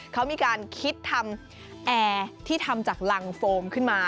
เขามีการคิดทำแอร์ที่ทำจากรังโฟมขึ้นมา